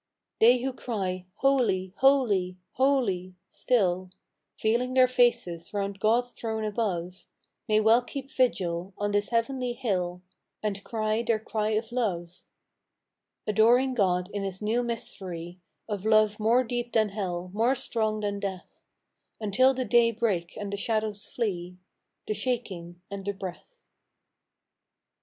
They who cry " Holy, Holy, Holy," still Veiling their faces round God's Throne above, May well keep vigil on this heavenly hill And cry their cry of love. 182 FROM QUEENS' GARDENS. Adoring God in His new mystery Of Love more deep than hell, more s death: Until the day break and the shadows flee, The Shaking and the Breath.